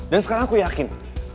dan sekarang aku yakin